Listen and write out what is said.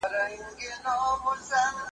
د دولت قانوني جبر سياسي بحث دی.